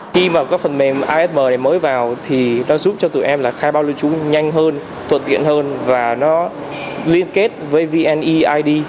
khi phần mềm asm mới vào nó giúp cho tụi em khai báo lưu trú nhanh hơn thuận tiện hơn và nó liên kết với vneid